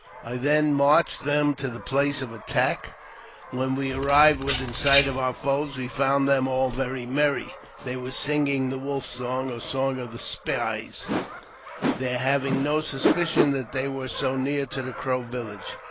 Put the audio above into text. I then marched them to the place of attack. When we arrived within sight of our foes we found them all very merry ; they were singing the Wolf Song, or Song of the Spies, they having no suspicion that they were so near to the Crow village.